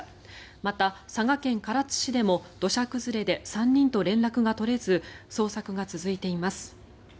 また、佐賀県唐津市でも土砂崩れで３人と連絡が取れず捜索が続いています。